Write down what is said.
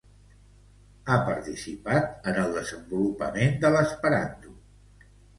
Ha participat en el desenvolupament de l'esperanto.